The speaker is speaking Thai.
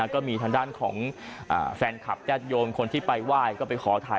ก็มีทางด้านของแฟนคลับญาติโยมคนที่ไปไหว้ก็ไปขอถ่าย